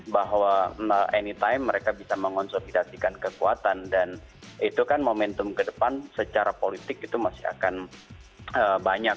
bahwa anytime mereka bisa mengonsolidasikan kekuatan dan itu kan momentum ke depan secara politik itu masih akan banyak